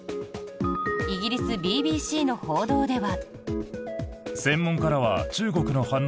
イギリスＢＢＣの報道では。